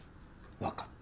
わかった。